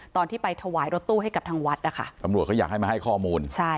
ตอนที่ไปถวายรถตู้ให้กับทางวัดนะคะตำรวจเขาอยากให้มาให้ข้อมูลใช่